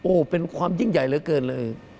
โอ้โหเป็นความยิ่งใหญ่เหลือเกินเลย